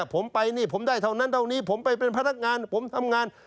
ผมไปนี่ผมได้เท่านั้นเท่านี้ผมไปเป็นพนักงานผมทำงาน